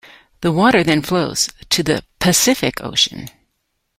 The water then flows to the Pacific Ocean.